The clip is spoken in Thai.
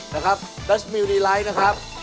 นะครับดัชมิวดีไลท์นะครับ